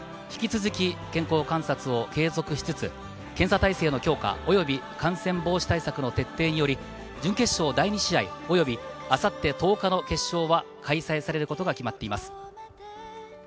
引き続き、健康観察を継続しつつ、検査体制の強化、及び感染防止対策の徹底により、準決勝第２試合および、あさって１０日の決勝は開催されることが決まっています。